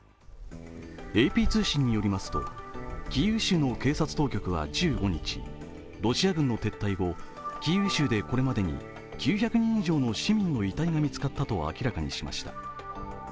ＡＰ通信によりますとキーウ州の警察当局は１５日ロシア軍の撤退後、キーウ州でこれまでに９００人以上の市民の遺体が見つかったと明らかにしました。